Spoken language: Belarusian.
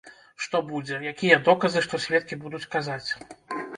Што будзе, якія доказы, што сведкі будуць казаць.